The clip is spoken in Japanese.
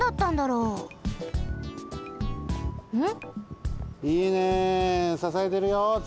うん。